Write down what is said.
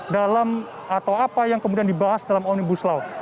dalam atau apa yang kemudian dibahas dalam omnibus law